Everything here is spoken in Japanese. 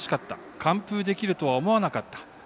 完封できるとは思わなかった。